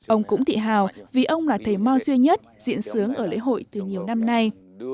ông cũng tự hào vì ông là thầy mò duy nhất diễn sướng ở lễ hội từ nhiều năm nay